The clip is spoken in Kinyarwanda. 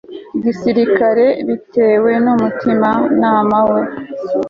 gisirikare bitewe n umutimanama we